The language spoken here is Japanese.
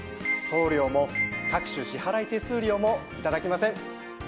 送料も各種支払い手数料もいただきません。